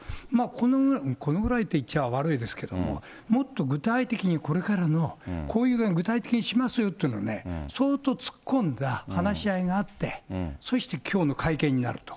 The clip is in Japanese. このぐらい、このぐらいと言っちゃ悪いですけど、もっと具体的に、これからのこういう具合に具体的にしますよというのをね、相当突っ込んだ話し合いがあって、そしてきょうの会見になると。